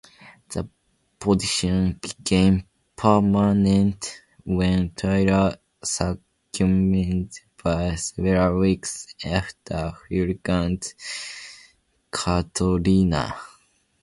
The position became permanent when Tyree succumbed several weeks after Hurricane Katrina.